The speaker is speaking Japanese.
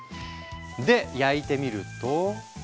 で焼いてみると。